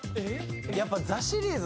やっぱ「ザ」シリーズ